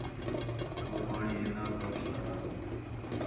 ہو پاݨی ݙے نا پہنچدا ہا